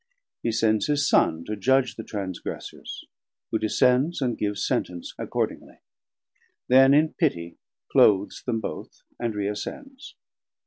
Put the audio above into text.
He sends his Son to judge the Transgressors, who descends and gives Sentence accordingly; then in pity cloaths them both, and reascends.